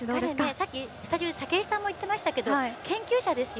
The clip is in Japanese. さっき、スタジオで武井さんも言ってましたけど研究者ですよ。